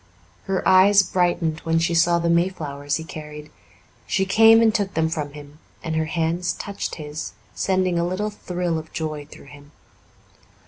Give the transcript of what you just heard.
Her eyes brightened when she saw the mayflowers he carried. She came and took them from him, and her hands touched his, sending a little thrill of joy through him.